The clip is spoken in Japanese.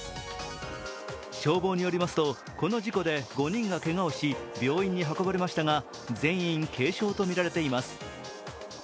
消防によりますと、この事故で５人がけがをし、病院に運ばれましたが全員軽傷とみられています。